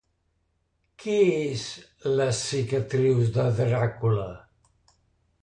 Què és Les cicatrius de Dràcula?